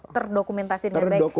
jadi terdokumentasi dengan baik